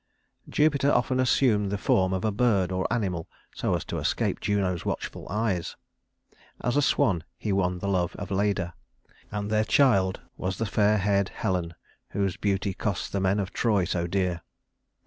Jupiter often assumed the form of a bird or animal so as to escape Juno's watchful eyes. As a swan he won the love of Leda, and their child was the fair haired Helen whose beauty cost the men of Troy so dear.